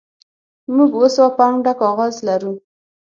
موږ اوه سوه پونډه کاغذ لرو